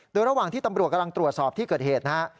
โดยระหว่างที่ตำรวจกำลังตรวจสอบที่เกิดเหตุนะฮะ